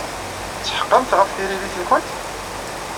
Tetḥeqqemt ɣef tririt-nkent?